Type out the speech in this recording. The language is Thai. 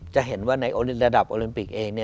จะเห็นว่าในโอลินระดับโอลิมปิกเอง